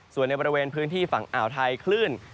ส่วนในบริเวณพื้นที่ฝั่งอ่าวไทยคลื่น